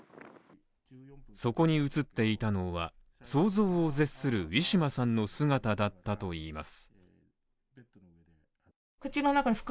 そこに映っていたのは、想像を絶するウィシュマさんの姿だったといいます。